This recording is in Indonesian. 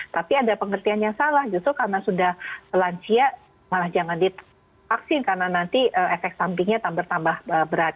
tapi ada pengertian yang salah justru karena sudah lansia malah jangan divaksin karena nanti efek sampingnya tak bertambah berat